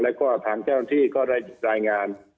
แล้วก็ทางเจ้าหน้าที่ก็ได้รายงาน